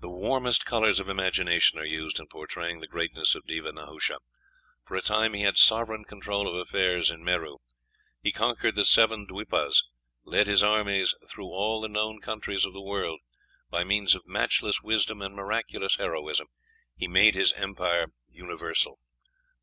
"The warmest colors of imagination are used in portraying the greatness of Deva Nahusha. For a time he had sovereign control of affairs in Meru; he conquered the seven dwipas, and led his armies through all the known countries of the world; by means of matchless wisdom and miraculous heroism he made his empire universal."